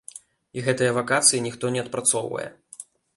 І гэтыя вакацыі ніхто не адпрацоўвае.